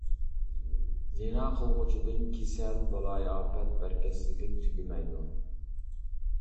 زىنا قىلغۇچىدىن كېسەل بالايىئاپەت بەرىكەتسىزلىك تۈگىمەيدۇ.